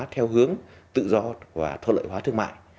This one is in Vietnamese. theo hướng tự do và thuận lợi hóa thương mại